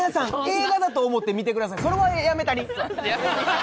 映画だと思って見てください」